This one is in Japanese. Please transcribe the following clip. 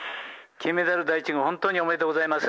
金メダル第１号、本当におめでとうございます。